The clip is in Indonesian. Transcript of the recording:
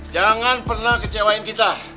jangan pernah kecewain kita